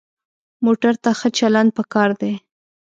موټر ته ښه چلند پکار دی.